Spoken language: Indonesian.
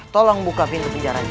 tolong buka pintu pinjarannya